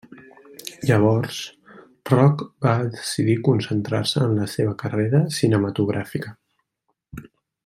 Llavors, Rock va decidir concentrar-se en la seva carrera cinematogràfica.